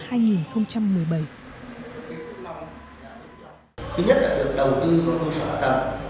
thứ nhất là được đầu tư vào cơ sở tầm